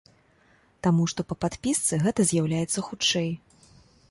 Таму што па падпісцы гэта з'яўляецца хутчэй.